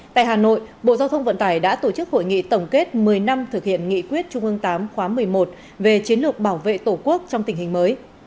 tại hà nội bộ giao thông vận tải đã tổ chức hội nghị tổng kết một mươi năm thực hiện nghị quyết trung ương tám khóa một mươi một về chiến lược bảo vệ tổ quốc trong tình hình mới